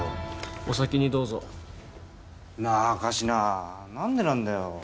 お先にどうぞなあ神志名何でなんだよ？